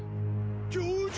教授！